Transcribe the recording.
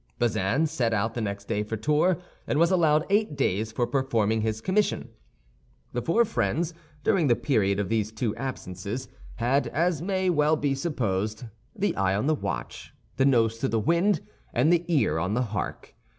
Bazin set out the next day for Tours, and was allowed eight days for performing his commission. The four friends, during the period of these two absences, had, as may well be supposed, the eye on the watch, the nose to the wind, and the ear on the hark.